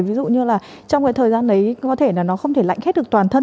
ví dụ như là trong cái thời gian đấy có thể là nó không thể lạnh hết được toàn thân